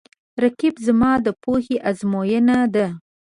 رقیب زما د پوهې آزموینه ده